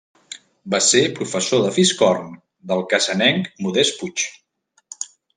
Va ser professor de fiscorn del cassanenc Modest Puig.